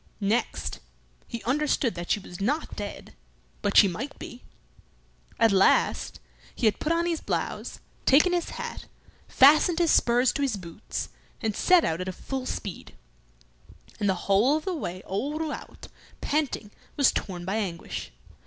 Next, he understood that she was not dead, but she might be. At last, he had put on his blouse, taken his hat, fastened his spurs to his boots, and set out at full speed; and the whole of the way old Rouault, panting, was torn by anguish.